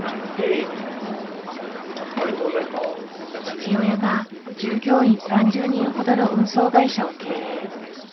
父親が従業員３０人ほどの運送会社を経営。